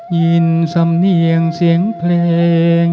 ินสำเนียงเสียงเพลง